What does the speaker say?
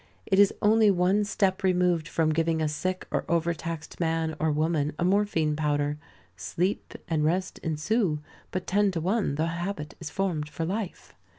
It is only one step removed from giving a sick or overtaxed man or woman a morphine powder. Sleep and rest ensue, but ten to one the habit is formed for life.